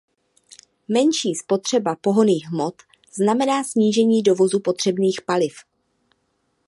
Menší spotřeba pohonných hmot znamená snížení dovozu potřebných paliv.